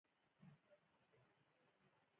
مؤثریت علاقه؛ عمل ذکر سي او مراد ځني آله يي.